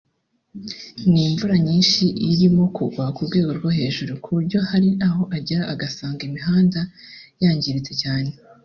ni imvura nyinshi irimo kugwa ku rwego rwo hejuru ku buryo hari aho agera agasanga imihanda yangiritse cyane